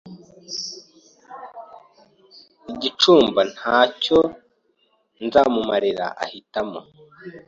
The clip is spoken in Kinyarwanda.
igicumba ntacyo nzamumarira ahitamo